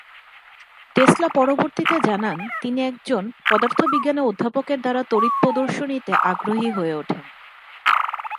Tesla পরবর্তীতে জানান তিনি একজন পদার্থ বিজ্ঞানের অধ্যাপকের দ্বারা তড়িৎ প্রদর্শনীতে আগ্রহী হয়ে ওঠেন।